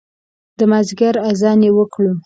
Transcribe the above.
د مازدیګر اذان یې وکړو